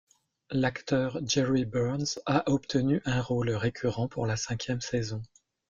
L'acteur Jere Burns a obtenu un rôle récurrent pour la cinquième saison.